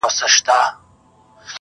• د غوایانو به ور څیري کړي نسونه» -